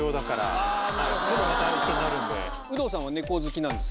今度また一緒になるんで。